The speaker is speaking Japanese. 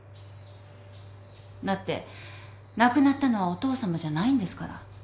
だって亡くなったのはお父さまじゃないんですから。